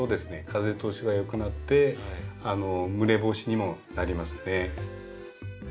風通しがよくなって蒸れ防止にもなりますね。